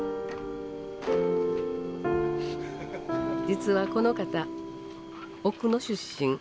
実はこの方奥の出身。